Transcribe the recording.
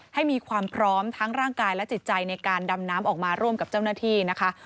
ให้มีความพร้อมทั้งร่างกายและจิตใจในการดำน้ำออกมาร่วมกับเจ้าหน้าที่นะคะ